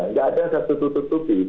tidak ada yang saya tutup tutupi